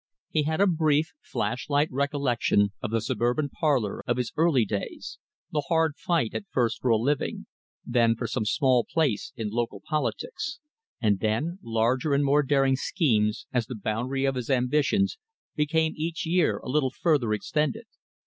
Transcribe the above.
He had a brief, flashlight recollection of the suburban parlour of his early days, the hard fight at first for a living, then for some small place in local politics, and then, larger and more daring schemes as the boundary of his ambitions became each year a little further extended.